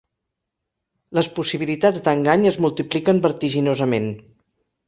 Les possibilitats d'engany es multipliquen vertiginosament.